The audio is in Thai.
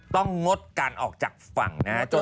ต้องงดการออกจากฝั่งนะ